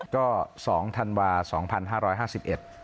ก็๒ธันวาส์๒๕๕๑